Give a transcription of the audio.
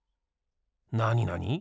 なになに？